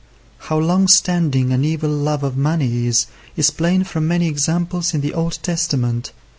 How long standing an evil love of money is, is plain from many examples in the Old Testament.